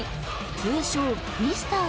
通称ミスター